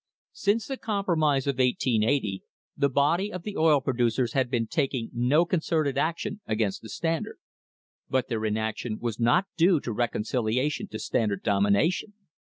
Since the compromise of 1880 the body of the oil producers had been taking no concerted action against the Standard. But their inaction was not due to reconciliation to Standard domination.